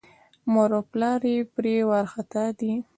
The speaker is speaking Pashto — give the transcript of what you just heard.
مور او پلار یې پرې وارخطا دي.